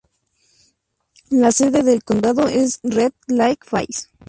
La sede del condado es Red Lake Falls.